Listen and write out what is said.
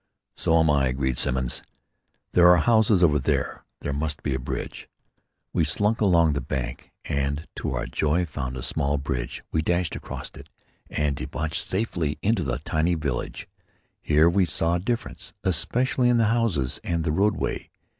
"So am I," agreed Simmons. "There are houses over there. There must be a bridge." We slunk along the bank and to our joy found a small bridge. We dashed across it and debouched safely into a tiny village. Here we saw a difference, especially in the houses and the roadway.